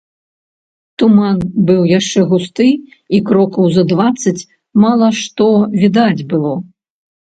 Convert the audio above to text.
Туман быў яшчэ густы, і крокаў за дваццаць мала што відаць было.